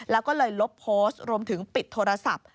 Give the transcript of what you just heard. แล้วก็เลยลบโพสต์รวมถึงปิดโทรศัพท์